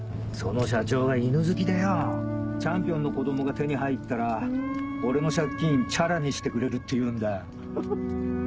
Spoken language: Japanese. その社長が犬好きでよチャンピオンの子供が手に入ったら俺の借金チャラにしてくれるって言うんだハハハ